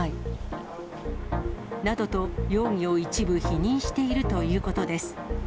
容疑を一部否認しているということです。